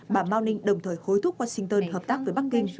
bà mao ning đồng thời hối thúc washington hợp tác với bắc kinh